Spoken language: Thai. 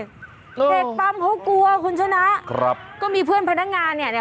เด็กปั๊มเขากลัวคุณชนะครับก็มีเพื่อนพนักงานเนี่ยเนี่ย